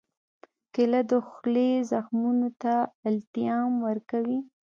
کېله د خولې زخمونو ته التیام ورکوي.